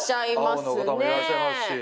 青の方もいらっしゃいますし。